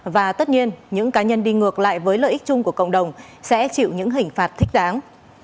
và tất nhiên những cá nhân đi ngược lại với lợi ích chung của cộng đồng sẽ chịu những hình phạt thích đáng